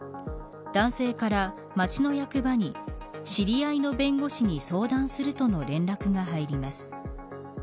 男性から町の役場に知り合いの弁護士に相談するとの連絡が入ります。